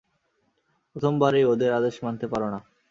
প্রথমবারেই ওদের আদেশ মানতে পারো না।